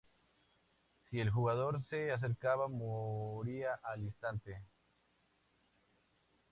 Si el jugador se acercaba, moría al instante.